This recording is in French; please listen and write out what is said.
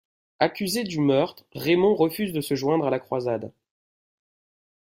Accusé du meurtre, Raymond refuse de se joindre à la croisade.